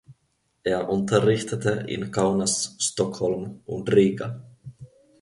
Er unterrichtete in Kaunas, Stockholm und Riga.